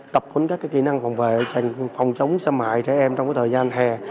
tập hứng các kỹ năng phòng vệ phòng chống xe mại trẻ em trong thời gian hè